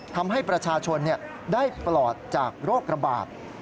ทำให้ประชาชนได้ปลอดจากโรคระบาด